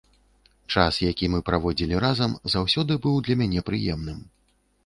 Час, які мы праводзілі разам, заўсёды быў для мяне прыемным.